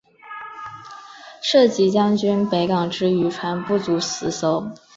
设籍将军北港之渔船不足十艘。